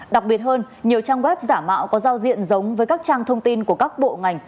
đặc biệt hơn nhiều trang web giả mạo có giao diện giống với các trang thông tin của các bộ ngành